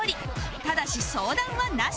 ただし相談はなし